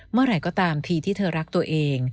เมื่อไหร่ก็ตามทีที่เธอรักตัวเอง